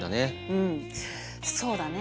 うんそうだね